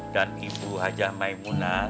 dan ibu hajah maimunah